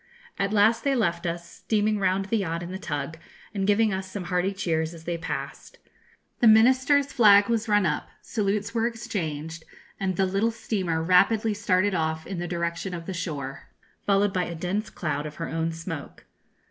At last they left us, steaming round the yacht in the tug, and giving us some hearty cheers as they passed. The Minister's flag was run up, salutes were exchanged, and the little steamer rapidly started off in the direction of the shore, followed by a dense cloud of her own smoke.